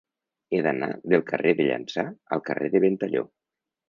He d'anar del carrer de Llança al carrer de Ventalló.